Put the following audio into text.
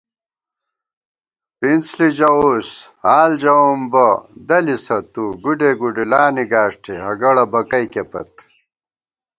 پِنڅ ݪِی ژَوُس حال ژَوُم بہ دَلِسہ تُوگُوڈےگُڈُولانی گاݭٹےہگَڑہ بکَئیکےپت